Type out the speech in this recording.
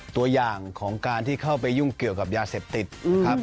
ตัวอย่างของการที่เข้าไปยุ่งเกี่ยวกับยาเสพติดนะครับ